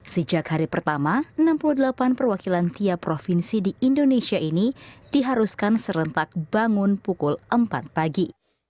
sejak hari pertama enam puluh delapan perwakilan tiap provinsi di indonesia ini diharuskan serentak bangun pukul empat pagi